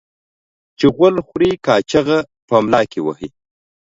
چي غول خوري ، کاچوغه په ملا کې وهي.